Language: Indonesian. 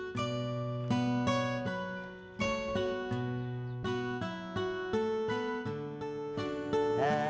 salam sama emak